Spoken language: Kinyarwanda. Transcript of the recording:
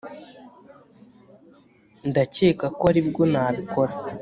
ndakeka ko aribwo nabikora